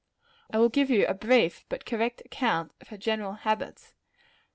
I will give you a brief but correct account of her general habits.